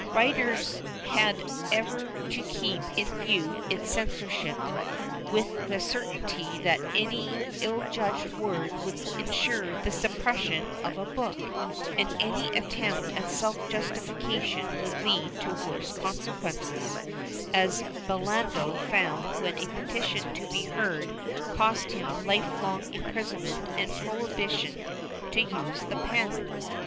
AVriters had ever to keep in view its censorship, with the certainty that any ill judged word would ensure the suppression of a book, and any attempt at self justification would lead to worse consequences, as Belando found when a petition to be heard cost him life long imprisonment and prohibition to use the pen.